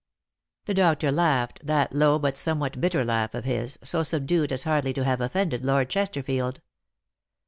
The doctor laughed, that low but somewhat bitter laugh of his, so subdued as hardly to have offended Lord Chesterfield.